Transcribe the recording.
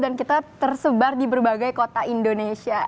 dan kita tersebar di berbagai kota indonesia